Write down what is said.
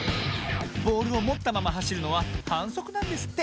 ボールをもったままはしるのははんそくなんですって。